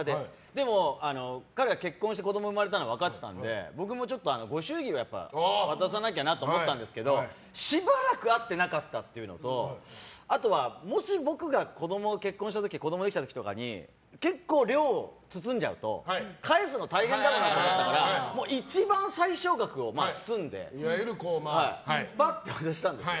でも、彼は結婚して子供産まれたの分かってたので僕もご祝儀を渡さなきゃなと思ったんですけどしばらく会ってなかったっていうのとあとは、もし僕が結婚して子供ができた時に結構、量を包んじゃうと返すのが大変だろうなと思ったから一番、最少額を包んでばって渡したんですよ。